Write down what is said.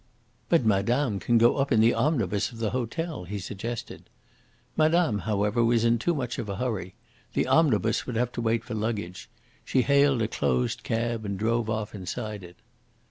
"But madame can go up in the omnibus of the hotel," he suggested. Madame, however, was in too much of a hurry. The omnibus would have to wait for luggage. She hailed a closed cab and drove off inside it.